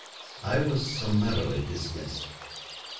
I was summarily dismissed.